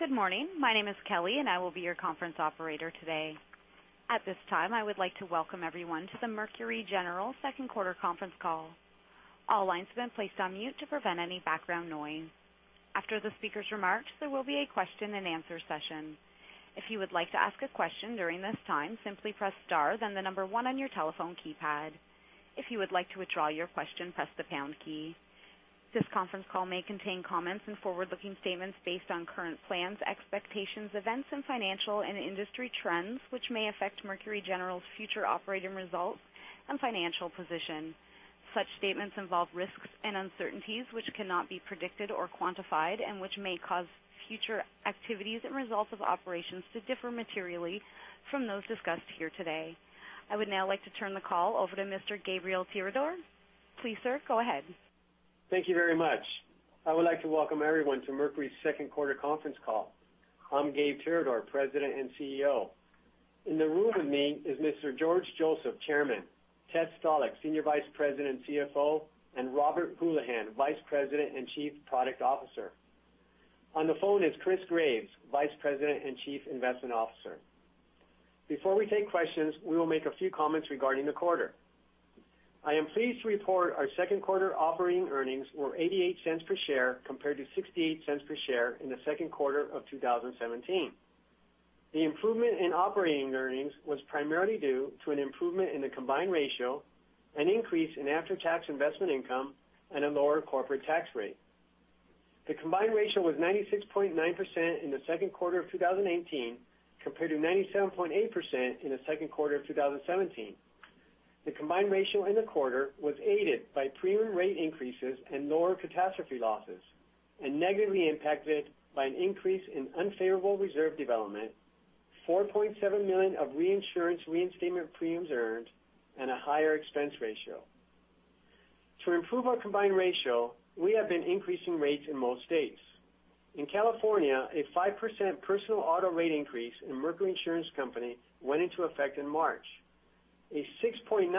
Good morning. My name is Kelly. I will be your conference operator today. At this time, I would like to welcome everyone to the Mercury General second quarter conference call. All lines have been placed on mute to prevent any background noise. After the speaker's remarks, there will be a question and answer session. If you would like to ask a question during this time, simply press star then 1 on your telephone keypad. If you would like to withdraw your question, press the pound key. This conference call may contain comments and forward-looking statements based on current plans, expectations, events and financial and industry trends, which may affect Mercury General's future operating results and financial position. Such statements involve risks and uncertainties which cannot be predicted or quantified, which may cause future activities and results of operations to differ materially from those discussed here today. I would now like to turn the call over to Mr. Gabriel Tirador. Please, sir, go ahead. Thank you very much. I would like to welcome everyone to Mercury's second quarter conference call. I'm Gabe Tirador, President and CEO. In the room with me is Mr. George Joseph, Chairman, Ted Stalick, Senior Vice President and CFO, and Robert Houlihan, Vice President and Chief Product Officer. On the phone is Chris Graves, Vice President and Chief Investment Officer. Before we take questions, we will make a few comments regarding the quarter. I am pleased to report our second quarter operating earnings were $0.88 per share compared to $0.68 per share in the second quarter of 2017. The improvement in operating earnings was primarily due to an improvement in the combined ratio, an increase in after-tax investment income, and a lower corporate tax rate. The combined ratio was 96.9% in the second quarter of 2018 compared to 97.8% in the second quarter of 2017. The combined ratio in the quarter was aided by premium rate increases and lower catastrophe losses, negatively impacted by an increase in unfavorable reserve development, $4.7 million of reinsurance reinstatement premiums earned, and a higher expense ratio. To improve our combined ratio, we have been increasing rates in most states. In California, a 5% personal auto rate increase in Mercury Insurance Company went into effect in March. A 6.9%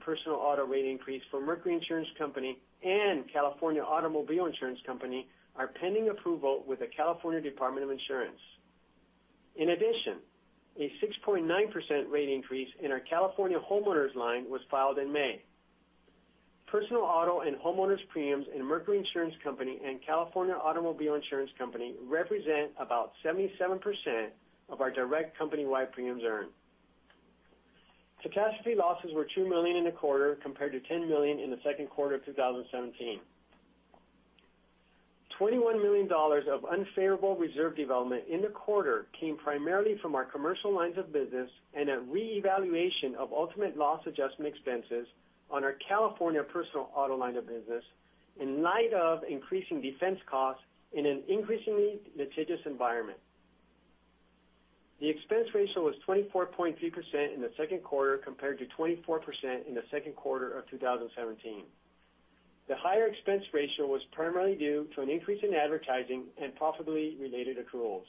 personal auto rate increase for Mercury Insurance Company and California Automobile Insurance Company are pending approval with the California Department of Insurance. In addition, a 6.9% rate increase in our California homeowners line was filed in May. Personal auto and homeowners premiums in Mercury Insurance Company and California Automobile Insurance Company represent about 77% of our direct company-wide premiums earned. Catastrophe losses were $2 million in the quarter compared to $10 million in Q2 2017. $21 million of unfavorable reserve development in the quarter came primarily from our commercial lines of business and a reevaluation of ultimate loss adjustment expenses on our California personal auto line of business in light of increasing defense costs in an increasingly litigious environment. The expense ratio was 24.3% in Q2 compared to 24% in Q2 2017. The higher expense ratio was primarily due to an increase in advertising and profitably related accruals,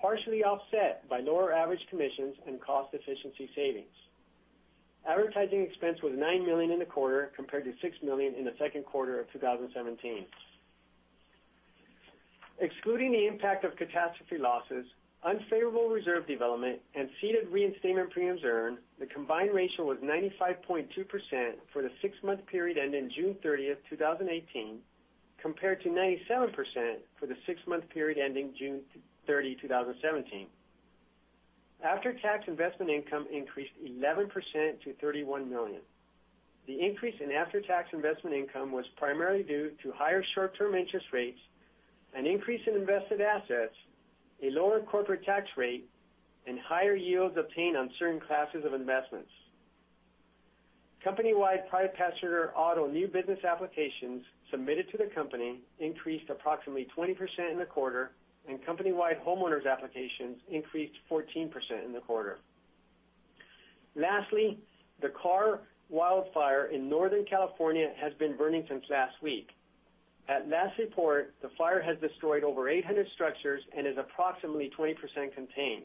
partially offset by lower average commissions and cost efficiency savings. Advertising expense was $9 million in the quarter compared to $6 million in Q2 2017. Excluding the impact of catastrophe losses, unfavorable reserve development, and ceded reinstatement premiums earned, the combined ratio was 95.2% for the six-month period ending June 30, 2018, compared to 97% for the six-month period ending June 30, 2017. After-tax investment income increased 11% to $31 million. The increase in after-tax investment income was primarily due to higher short-term interest rates, an increase in invested assets, a lower corporate tax rate, and higher yields obtained on certain classes of investments. Company-wide private passenger auto new business applications submitted to the company increased approximately 20% in the quarter, and company-wide homeowners applications increased 14% in the quarter. The Carr wildfire in Northern California has been burning since last week. At last report, the fire has destroyed over 800 structures and is approximately 20% contained.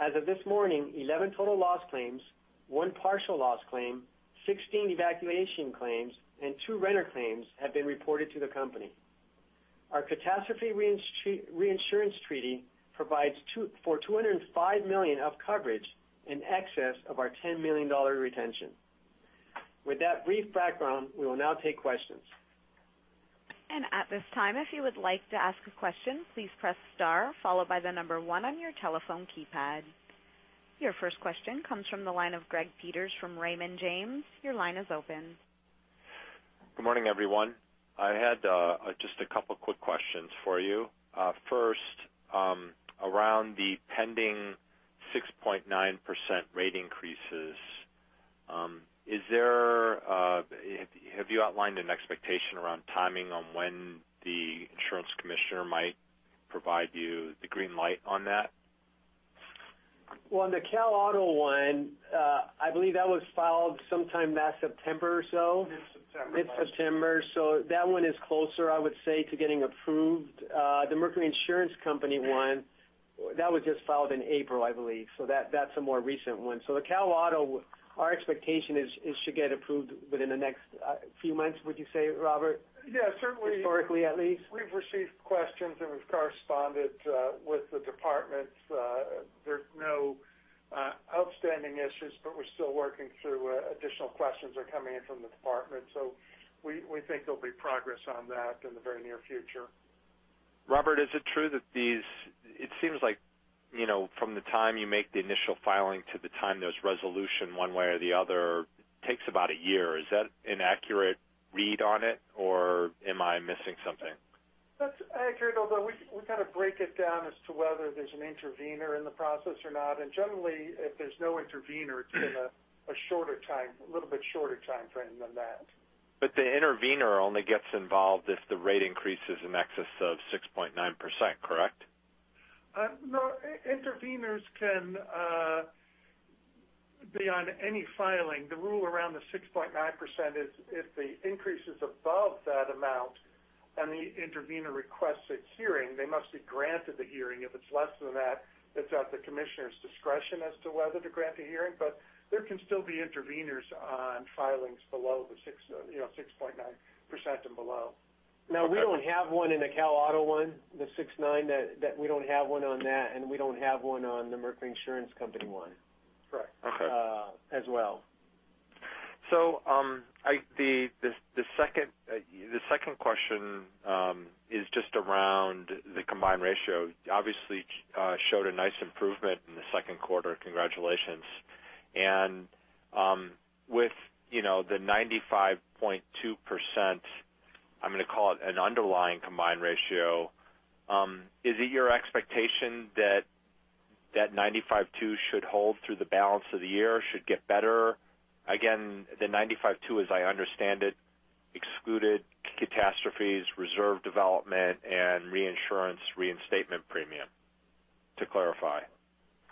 As of this morning, 11 total loss claims, one partial loss claim, 16 evacuation claims, and two renter claims have been reported to the company. Our catastrophe reinsurance treaty provides for $205 million of coverage in excess of our $10 million retention. With that brief background, we will now take questions. At this time, if you would like to ask a question, please press star followed by the number one on your telephone keypad. Your first question comes from the line of Greg Peters from Raymond James. Your line is open. Good morning, everyone. I had just a couple quick questions for you. First, around the pending 6.9% rate increases. Have you outlined an expectation around timing on when the insurance commissioner might provide you the green light on that? On the Cal Auto one, I believe that was filed sometime last September or so. Mid-September. Mid-September. That one is closer, I would say, to getting approved. The Mercury Insurance Company one That was just filed in April, I believe. That's a more recent one. The Cal Auto, our expectation is it should get approved within the next few months, would you say, Robert? Yeah, certainly. Historically, at least. We've received questions, we've corresponded with the Department. There's no outstanding issues, we're still working through additional questions are coming in from the Department. We think there'll be progress on that in the very near future. Robert, is it true that it seems like, from the time you make the initial filing to the time there's resolution one way or the other, takes about a year. Is that an accurate read on it, or am I missing something? That's accurate, although we kind of break it down as to whether there's an intervener in the process or not. Generally, if there's no intervener, it's been a little bit shorter timeframe than that. the intervener only gets involved if the rate increase is in excess of 6.9%, correct? No, interveners can be on any filing. The rule around the 6.9% is if the increase is above that amount and the intervener requests a hearing, they must be granted the hearing. If it's less than that, it's at the commissioner's discretion as to whether to grant a hearing. there can still be interveners on filings below the 6.9% and below. Now, we don't have one in the Cal Auto one, the 6.9%, we don't have one on that, and we don't have one on the Mercury Insurance Company one. Correct. Okay. As well. The second question is just around the combined ratio. Obviously, showed a nice improvement in the second quarter. Congratulations. With the 95.2%, I'm going to call it an underlying combined ratio. Is it your expectation that 95.2 should hold through the balance of the year, should get better? Again, the 95.2, as I understand it, excluded catastrophes, reserve development, and reinsurance reinstatement premium, to clarify.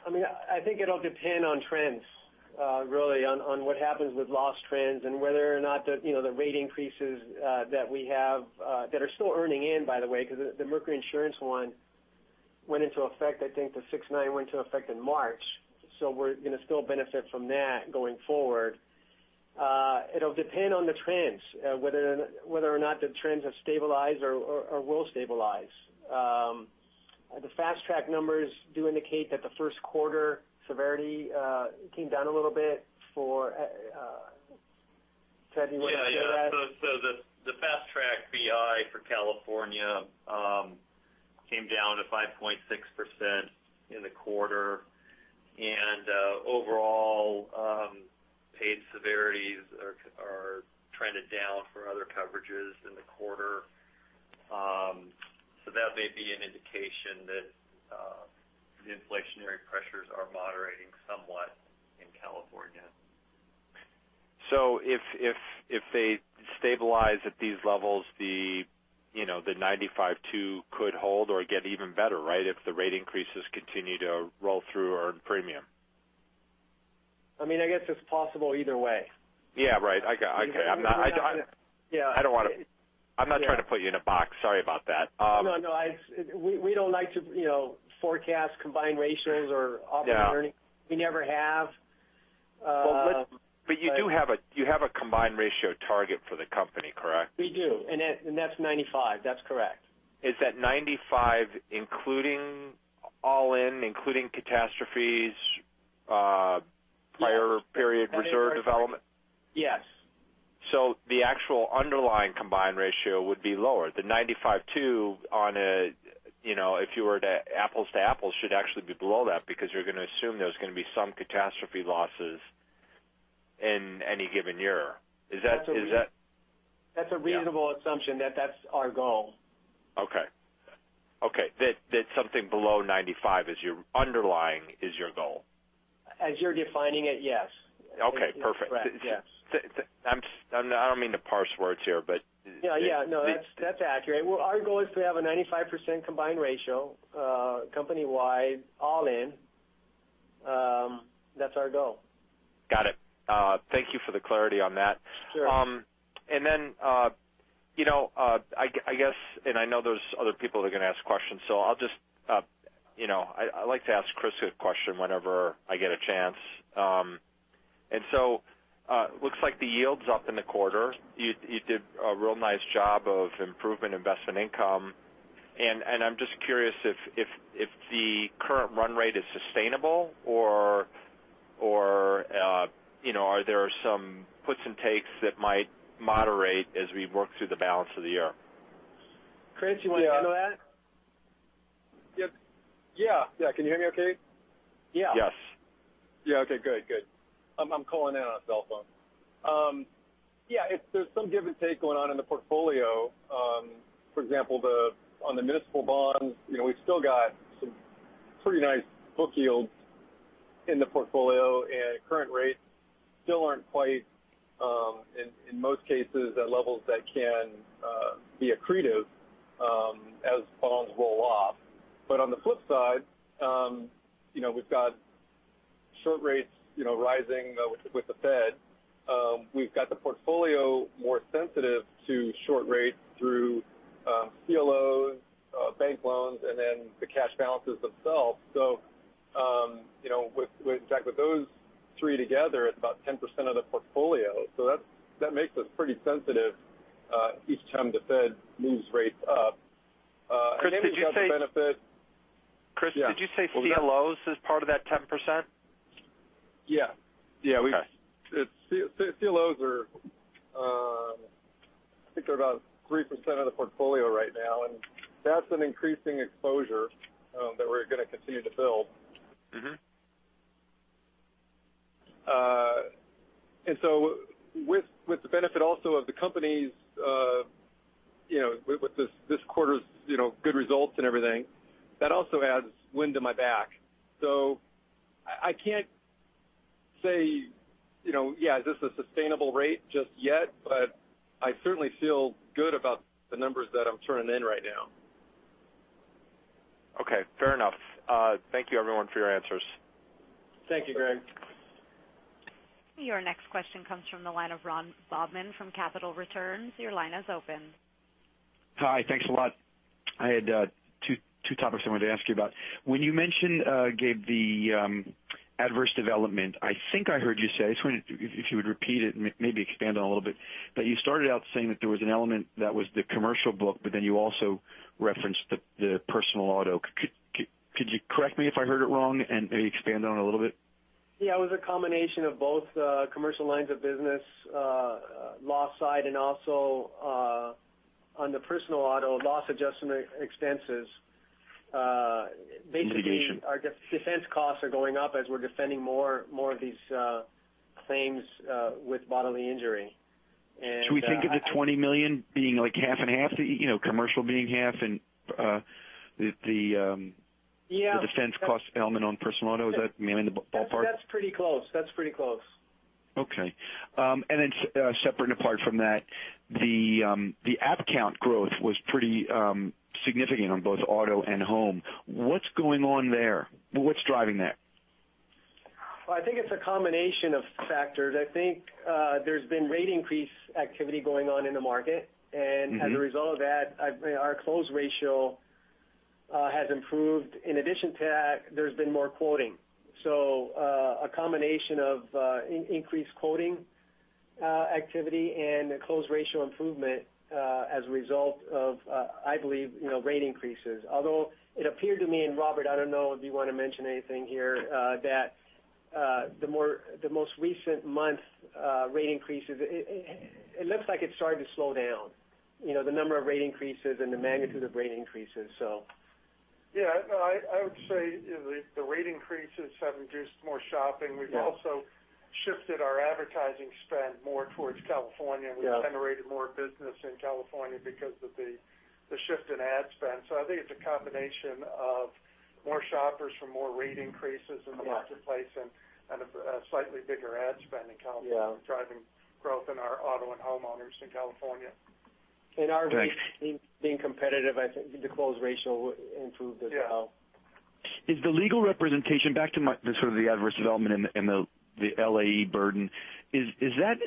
I think it'll depend on trends, really, on what happens with loss trends and whether or not the rate increases that we have that are still earning in, by the way, because the Mercury Insurance one went into effect, I think the 6.9 went into effect in March. We're going to still benefit from that going forward. It'll depend on the trends, whether or not the trends have stabilized or will stabilize. The Fast Track numbers do indicate that the first quarter severity came down a little bit for Ted, do you want to take that? The Fast Track BI for California came down to 5.6% in the quarter. Overall paid severities are trended down for other coverages in the quarter. That may be an indication that the inflationary pressures are moderating somewhat in California. If they stabilize at these levels, the 95.2 could hold or get even better, right? If the rate increases continue to roll through earned premium. I guess it's possible either way. Yeah, right. Okay. I'm not trying to put you in a box. Sorry about that. No. We don't like to forecast combined ratios or operating earnings. Yeah. We never have. You do have a combined ratio target for the company, correct? We do. That's 95. That's correct. Is that 95 including all in, including catastrophes- Yes prior period reserve development? Yes. the actual underlying combined ratio would be lower. The 95.2, if you were to apples-to-apples, should actually be below that because you're going to assume there's going to be some catastrophe losses in any given year. Is that? That's a reasonable assumption that that's our goal. Okay. That something below 95 as your underlying is your goal. As you're defining it, yes. Okay, perfect. Correct. Yes. I don't mean to parse words here. Yeah. No, that's accurate. Well, our goal is to have a 95% combined ratio company-wide, all in. That's our goal. Got it. Thank you for the clarity on that. Sure. I guess, I know there's other people that are going to ask questions. I like to ask Chris a question whenever I get a chance. It looks like the yield's up in the quarter. You did a real nice job of improving investment income, and I'm just curious if the current run rate is sustainable or are there some puts and takes that might moderate as we work through the balance of the year? Chris, you want to handle that? Yeah. Can you hear me okay? Yeah. Yes. Yeah. Okay, good. I'm calling in on a cell phone. There's some give and take going on in the portfolio. For example, on the municipal bonds, we've still got some pretty nice book yields in the portfolio, and current rates still aren't quite, in most cases, at levels that can be accretive as bonds roll off. On the flip side, we've got. Short rates rising with the Fed. We've got the portfolio more sensitive to short rates through CLOs, bank loans, the cash balances themselves. In fact, with those three together, it's about 10% of the portfolio. That makes us pretty sensitive each time the Fed moves rates up. We've got the benefit. Chris, did you say CLOs as part of that 10%? Yeah. Okay. CLOs are, I think they're about 3% of the portfolio right now, that's an increasing exposure that we're going to continue to build. With the benefit also of the company's, with this quarter's good results and everything, that also adds wind to my back. I can't say, yeah, is this a sustainable rate just yet? I certainly feel good about the numbers that I'm turning in right now. Okay, fair enough. Thank you, everyone, for your answers. Thank you, Greg. Your next question comes from the line of Ron Bobman from Capital Returns. Your line is open. Hi. Thanks a lot. I had two topics I wanted to ask you about. When you mentioned, Gabe, the adverse development, I think I heard you say, I just wonder if you would repeat it and maybe expand on it a little bit. You started out saying that there was an element that was the commercial book, but then you also referenced the personal auto. Could you correct me if I heard it wrong and maybe expand on it a little bit? It was a combination of both commercial lines of business loss side and also on the personal auto loss adjustment expenses. Litigation Our defense costs are going up as we're defending more of these claims with bodily injury. Should we think of the $20 million being half and half? Commercial being half Yeah The defense cost element on personal auto, is that mainly the ballpark? That's pretty close. Okay. Separate and apart from that, the app count growth was pretty significant on both auto and home. What's going on there? What's driving that? Well, I think it's a combination of factors. I think there's been rate increase activity going on in the market. As a result of that, our close ratio has improved. In addition to that, there's been more quoting. A combination of increased quoting activity and close ratio improvement as a result of, I believe, rate increases. Although it appeared to me, and Robert, I don't know if you want to mention anything here, that the most recent month rate increases, it looks like it's starting to slow down. The number of rate increases and the magnitude of rate increases. I would say the rate increases have induced more shopping. Yeah. We've also shifted our advertising spend more towards California. Yeah. We've generated more business in California because of the shift in ad spend. I think it's a combination of more shoppers from more rate increases in the marketplace and a slightly bigger ad spend in California. Yeah. Driving growth in our auto and homeowners in California. Our rates being competitive, I think the close ratio improved as well. Yeah. Is the legal representation back to my sort of the adverse development and the LAE burden, is that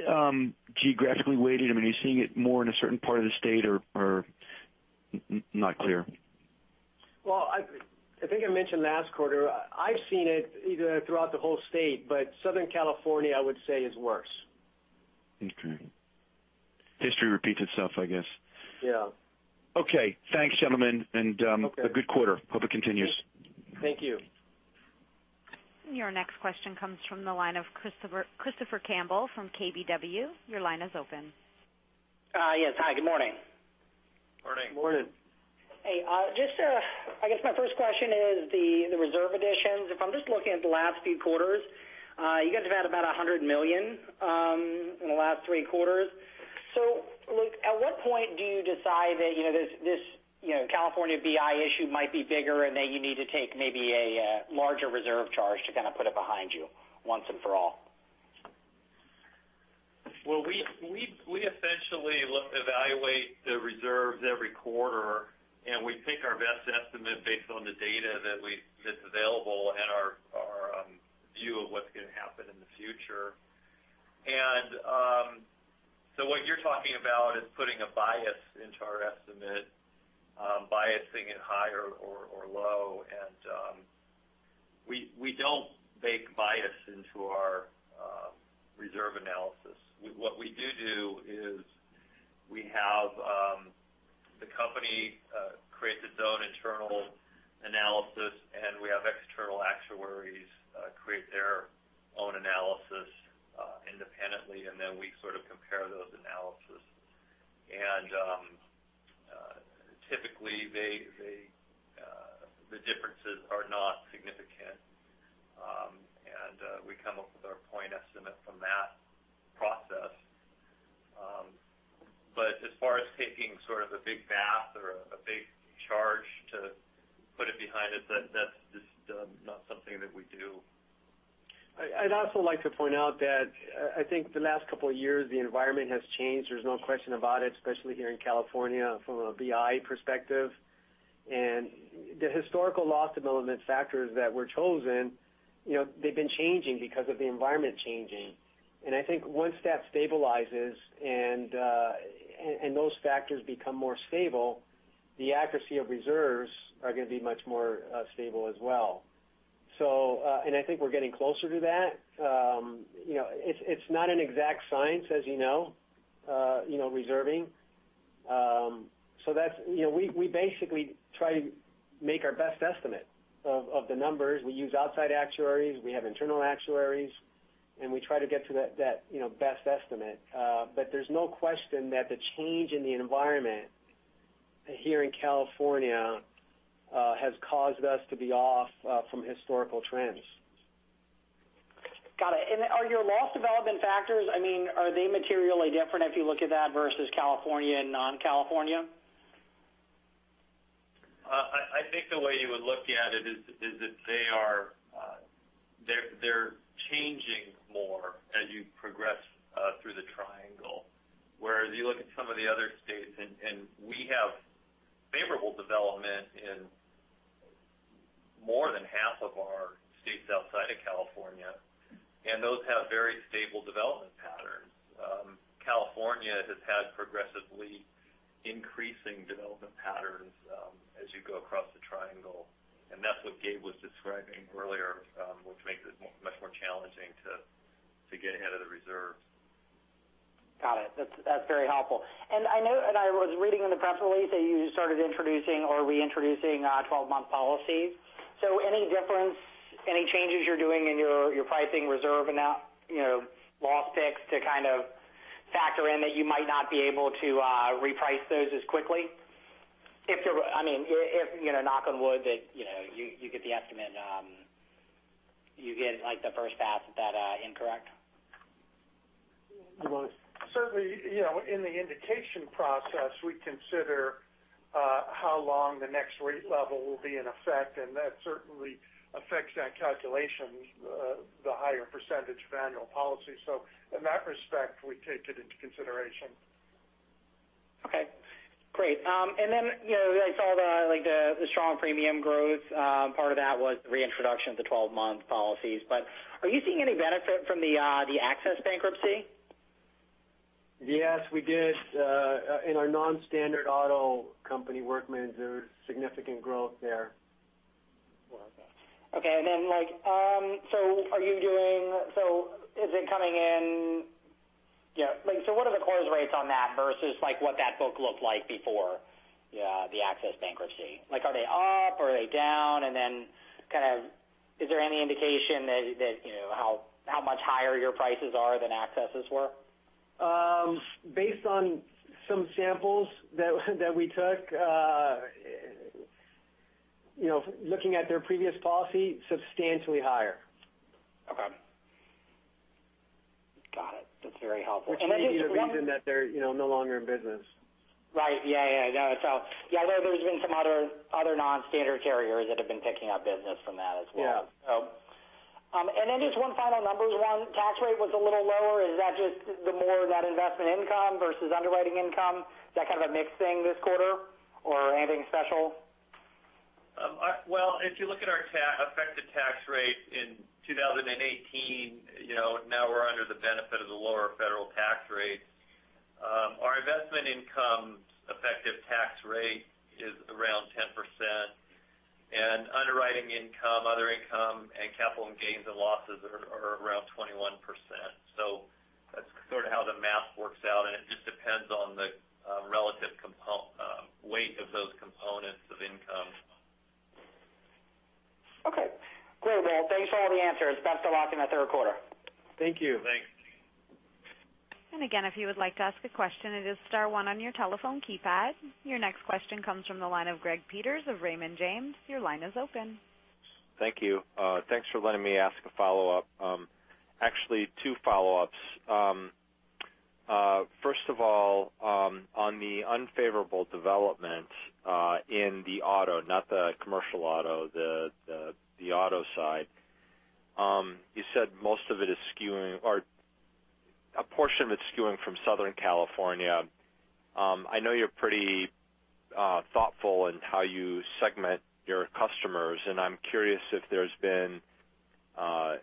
geographically weighted? Are you seeing it more in a certain part of the state or not clear? Well, I think I mentioned last quarter, I've seen it either throughout the whole state, but Southern California, I would say is worse. Okay. History repeats itself, I guess. Yeah. Okay. Thanks, gentlemen. Okay. A good quarter. Hope it continues. Thank you. Your next question comes from the line of Christopher Campbell from KBW. Your line is open. Yes. Hi, good morning. Morning. Morning. Hey. I guess my first question is the reserve additions. If I'm just looking at the last few quarters, you guys have had about $100 million in the last three quarters. Look, at what point do you decide that this California BI issue might be bigger and that you need to take maybe a larger reserve charge to kind of put it behind you once and for all? We essentially evaluate the reserves every quarter, and we take our best estimate based on the data that's available and our view of what's going to happen in the future. What you're talking about is putting a bias into our estimate, biasing it higher or low. We don't bake bias into our reserve analysis. What we do do is we have the company create its own internal analysis, and we have external actuaries create their own analysis independently, and then we sort of compare those analyses. Typically, the differences are not significant. We come up with our point estimate from that process. As far as taking sort of a big bath or a big charge to put it behind us, that's just not something that we do. I'd also like to point out that I think the last couple of years, the environment has changed. There's no question about it, especially here in California from a BI perspective. The historical loss development factors that were chosen, they've been changing because of the environment changing. I think once that stabilizes and those factors become more stable, the accuracy of reserves are going to be much more stable as well. I think we're getting closer to that. It's not an exact science, as you know, reserving. We basically try to make our best estimate of the numbers. We use outside actuaries, we have internal actuaries, and we try to get to that best estimate. There's no question that the change in the environment here in California has caused us to be off from historical trends. Got it. Are your loss development factors, are they materially different if you look at that versus California and non-California? I think the way you would look at it is that they're changing more as you progress through the triangle. Whereas you look at some of the other states, we have favorable development in more than half of our states outside of California, and those have very stable development patterns. California has had progressively increasing development patterns as you go across the triangle, and that's what Gabe was describing earlier, which makes it much more challenging to get ahead of the reserves. Got it. That's very helpful. I know, I was reading in the press release that you started introducing or reintroducing 12-month policies. Any difference, any changes you're doing in your pricing reserve amount, loss picks to kind of factor in that you might not be able to reprice those as quickly? If, knock on wood, that you get the estimate, you get like the first pass at that incorrect. Well. Certainly, in the indication process, we consider how long the next rate level will be in effect, and that certainly affects our calculations, the higher percentage of annual policy. In that respect, we take it into consideration. Okay, great. I saw the strong premium growth. Part of that was the reintroduction of the 12-month policies. Are you seeing any benefit from the Access bankruptcy? Yes, we did. In our non-standard auto company, Workmen's, there was significant growth there. Okay. What are the quarters rates on that versus what that book looked like before the Access bankruptcy? Are they up? Are they down? Kind of, is there any indication how much higher your prices are than Access's were? Based on some samples that we took, looking at their previous policy, substantially higher. Okay. Got it. That's very helpful. Just one- Which may be the reason that they're no longer in business. Right. Yeah. I know there's been some other non-standard carriers that have been picking up business from that as well. Yeah. Just one final numbers one. Tax rate was a little lower. Is that just the more of that investment income versus underwriting income? Is that kind of a mixed thing this quarter or anything special? Well, if you look at our effective tax rate in 2018, now we're under the benefit of the lower federal tax rate. Our investment income effective tax rate is around 10%, and underwriting income, other income, and capital gains and losses are around 21%. That's sort of how the math works out, and it just depends on the relative weight of those components of income. Okay. Great, Ted. Thanks for all the answers. Best of luck in that third quarter. Thank you. Thanks. If you would like to ask a question, it is star one on your telephone keypad. Your next question comes from the line of Greg Peters of Raymond James. Your line is open. Thank you. Thanks for letting me ask a follow-up. Actually, two follow-ups. First of all, on the unfavorable development in the auto, not the commercial auto, the auto side. You said a portion of it's skewing from Southern California. I know you're pretty thoughtful in how you segment your customers, and I'm curious if there's been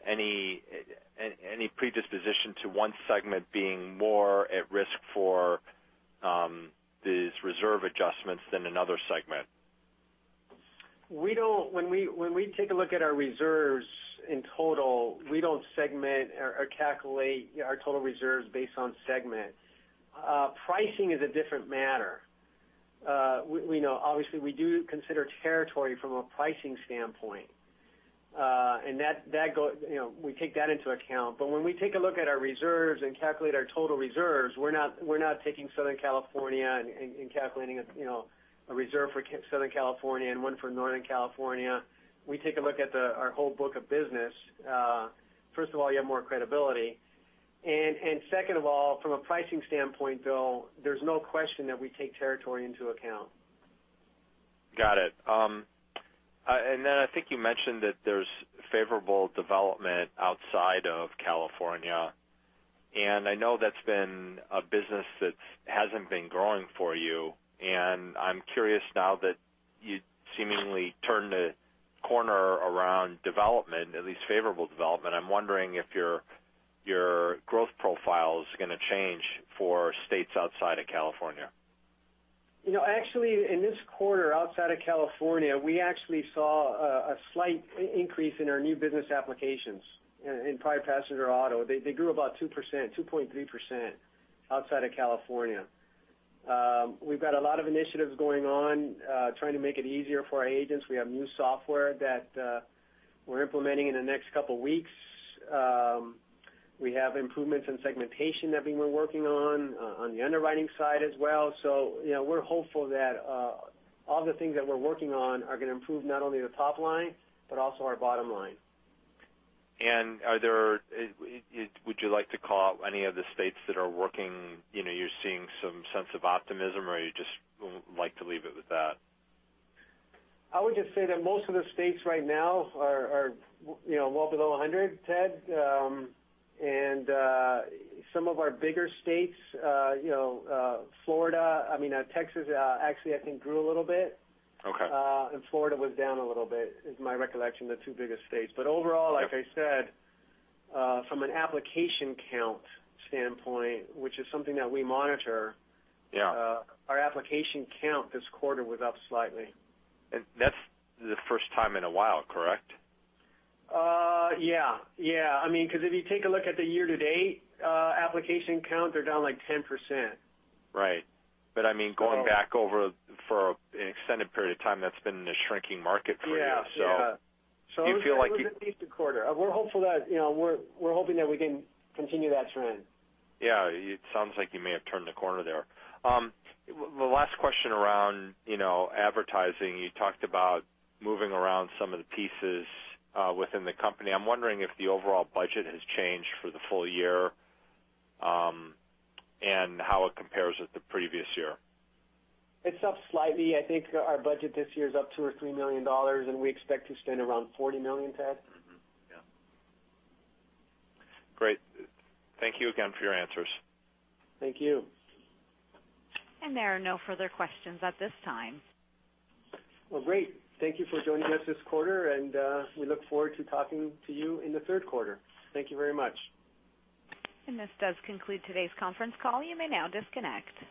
any predisposition to one segment being more at risk for these reserve adjustments than another segment. When we take a look at our reserves in total, we don't segment or calculate our total reserves based on segment. Pricing is a different matter. Obviously, we do consider territory from a pricing standpoint. We take that into account. When we take a look at our reserves and calculate our total reserves, we're not taking Southern California and calculating a reserve for Southern California and one for Northern California. We take a look at our whole book of business. First of all, you have more credibility. Second of all, from a pricing standpoint, though, there's no question that we take territory into account. Got it. Then I think you mentioned that there's favorable development outside of California, I know that's been a business that hasn't been growing for you. I'm curious now that you seemingly turned a corner around development, at least favorable development. I'm wondering if your growth profile is going to change for states outside of California. Actually, in this quarter, outside of California, we actually saw a slight increase in our new business applications in private passenger auto. They grew about 2.3% outside of California. We've got a lot of initiatives going on, trying to make it easier for our agents. We have new software that we're implementing in the next couple of weeks. We have improvements in segmentation that we've been working on the underwriting side as well. We're hopeful that all the things that we're working on are going to improve not only the top line, but also our bottom line. Would you like to call any of the states that are working, you're seeing some sense of optimism, or you just like to leave it with that? I would just say that most of the states right now are well below 100, Ted. Some of our bigger states, Florida, Texas actually, I think grew a little bit. Okay. Florida was down a little bit, is my recollection, the two biggest states. Overall, like I said, from an application count standpoint, which is something that we monitor. Yeah Our application count this quarter was up slightly. That's the first time in a while, correct? Yeah. If you take a look at the year-to-date application count, they're down like 10%. Right. Going back over for an extended period of time, that's been a shrinking market for you. Yeah. Do you feel like It was a decent quarter. We're hoping that we can continue that trend. Yeah. It sounds like you may have turned a corner there. The last question around advertising, you talked about moving around some of the pieces within the company. I'm wondering if the overall budget has changed for the full year, and how it compares with the previous year. It's up slightly. I think our budget this year is up $2 million or $3 million, and we expect to spend around $40 million, Ted. Mm-hmm. Yeah. Great. Thank you again for your answers. Thank you. There are no further questions at this time. Well, great. Thank you for joining us this quarter, and we look forward to talking to you in the third quarter. Thank you very much. This does conclude today's conference call. You may now disconnect.